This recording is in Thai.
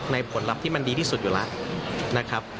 ผลลัพธ์ที่มันดีที่สุดอยู่แล้วนะครับ